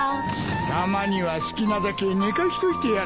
たまには好きなだけ寝かしといてやらんか。